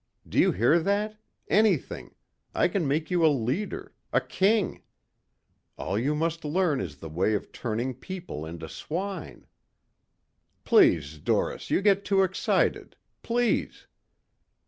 Do you hear that? Anything.... I can make you a leader ... a king. All you must learn is the way of turning people into swine...." "Please Doris, you get too excited. Please...."